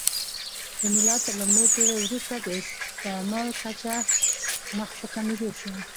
د میلاد تر لومړۍ پېړۍ وروسته د استعمل کچه مخ په کمېدو شوه